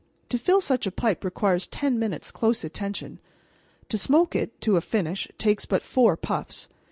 To fill such a pipe requires ten minutes' close attention. To smoke it to a finish takes but four puffs.